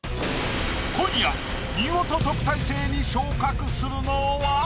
今夜見事特待生に昇格するのは？